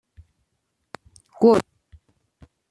گلف